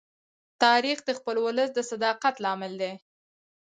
تاریخ د خپل ولس د صداقت لامل دی.